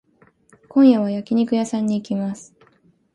今夜は焼肉屋さんに行きます。